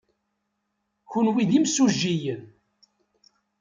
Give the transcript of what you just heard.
Kenwi d imsujjiyen.